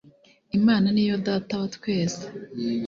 imana niyo data wa twese